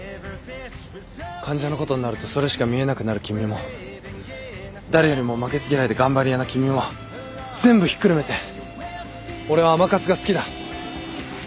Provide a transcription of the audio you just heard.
患者のことになるとそれしか見えなくなる君も誰よりも負けず嫌いで頑張り屋な君も全部ひっくるめて俺は甘春が好きだ。